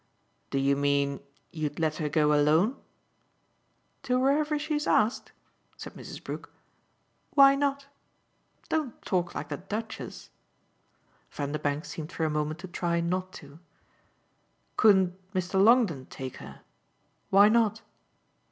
"Do you mean you'd let her go alone ?" "To wherever she's asked?" said Mrs. Brook. "Why not? Don't talk like the Duchess." Vanderbank seemed for a moment to try not to. "Couldn't Mr. Longdon take her? Why not?"